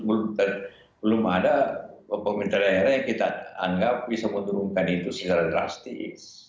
belum ada pemerintah daerah yang kita anggap bisa menurunkan itu secara drastis